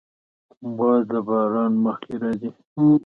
باد له باران مخکې راځي